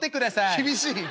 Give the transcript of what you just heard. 「厳しい！